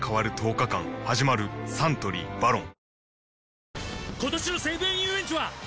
サントリー「ＶＡＲＯＮ」